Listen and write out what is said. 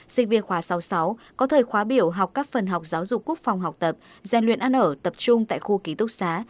sinh viên khóa sáu mươi sáu có thời khóa biểu học các phần học giáo dục quốc phòng học tập gian luyện ăn ở tập trung tại khu ký túc xá